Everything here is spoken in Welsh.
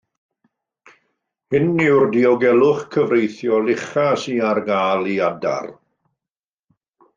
Hyn yw'r diogelwch cyfreithiol uchaf sydd ar gael i adar